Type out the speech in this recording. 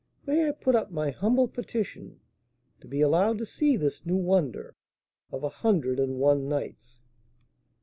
May I put up my humble petition to be allowed to see this new wonder of a 'hundred and one nights?'"